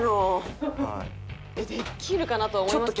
できるかなとは思いますけど。